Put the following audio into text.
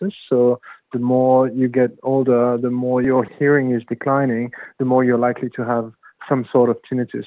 jadi semakin mengembang semakin kekurangan dengar semakin kemungkinan anda memiliki tinnitus